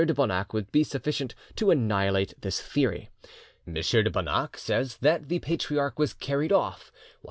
de Bonac would be sufficient to annihilate this theory. M. de Bonac says that the Patriarch was carried off, while M.